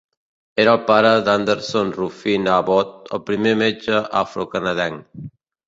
Era el pare d'Anderson Ruffin Abbot, el primer metge afrocanadenc.